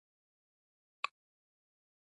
ځواب نه دی ځکه ارزښتونه مختلف دي.